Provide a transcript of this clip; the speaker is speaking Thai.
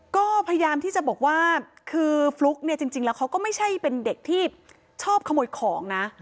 ก็พยายามที่จะบอกว่าคือฟลุ๊กเนี่ยจริงแล้วเขาก็ไม่ใช่เป็นเด็กที่ชอบขโมยของนะ